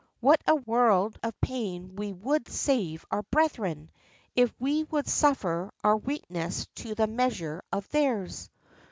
what a world of pain we would save our brethren, if we would suffer our weakness to be the measure of theirs!